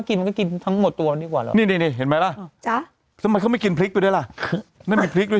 กินเป็นครึ่งตัวอย่างนี้เขากินมันก็กินทั้งหมดบนดีกว่า